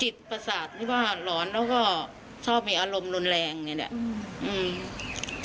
จิตประสาทนี่ว่าร้อนแล้วก็ชอบมีอารมณ์ร้นแรงนี่แหละ